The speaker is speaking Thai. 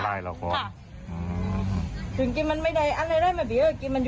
ตึ้งไหนกลิ๊บดีวะ